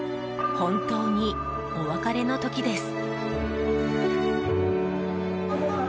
本当にお別れの時です。